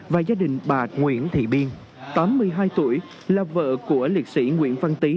và nguyễn thị biên tám mươi hai tuổi là vợ của liệt sĩ nguyễn văn tý